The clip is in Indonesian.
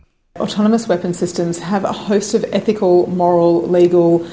pada saat ini sistem senjata otonom memiliki banyak penyelesaian etika moral legal